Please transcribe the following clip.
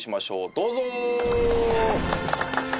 どうぞ！